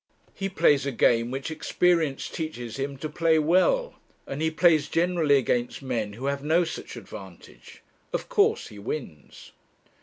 He plays a game which experience teaches him to play well, and he plays generally against men who have no such advantage. Of course he wins.